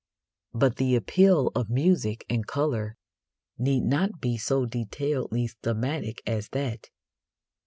But the appeal of music and colour need not be so detailedly stomachic as that.